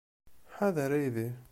Ḥader aydi!